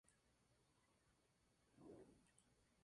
La opción española tras descartar algunas fue Vandellós.